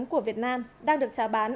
của việt nam đang được trả bán